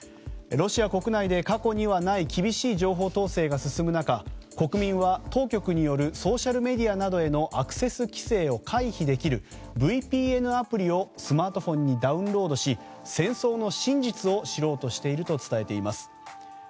ロシア国内で過去にはない厳しい情報統制が進む中国民は当局によるソーシャルメディアなどへのアクセス規制を回避できるＶＰＮアプリをスマートフォンにダウンロードし戦争の真実を知ろうとしていると伝えています。